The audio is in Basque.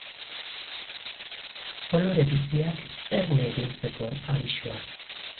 Kolore biziak erne ibiltzeko abisua.